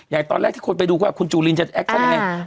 อย่างตอนแรกที่คนไปดูว่าคุณจูลินจะแอคชั่นยังไง